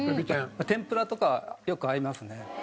天ぷらとかよく合いますね。